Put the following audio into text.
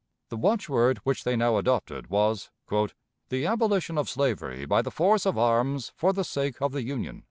The watchword which they now adopted was, "The abolition of slavery by the force of arms for the sake of the Union."